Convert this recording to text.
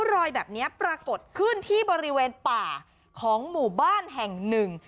รอยแบบนี้ปรากฏขึ้นที่บริเวณป่าของหมู่บ้านแห่งหนึ่ง